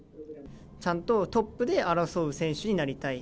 ちゃんとトップで争う選手になりたい。